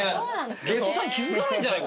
ゲストさん気付かないんじゃない？